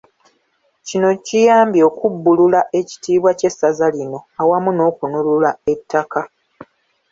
Kino kiyambye okubbulula ekitiibwa ky'essaza lino awamu n'okununula ettaka.